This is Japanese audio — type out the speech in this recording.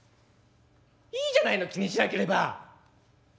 いいじゃないの気にしなければ」。